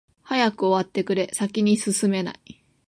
早く終わってくれ、先に進めない。